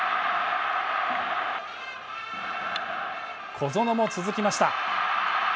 小園も続きました。